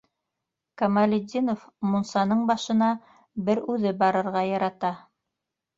Камалетдинов мунсаның башына бер үҙе барырға ярата.